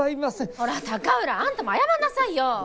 ほら高浦あんたも謝んなさいよ。